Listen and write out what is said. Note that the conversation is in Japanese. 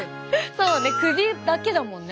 そうね首だけだもんね。